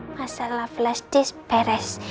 masalah flash disk beres